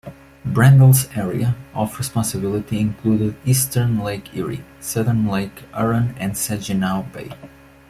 "Bramble's" area of responsibility included eastern Lake Erie, southern Lake Huron and Saginaw Bay.